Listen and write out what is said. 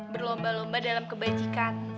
berlomba lomba dalam kebajikan